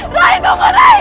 rai tunggu rai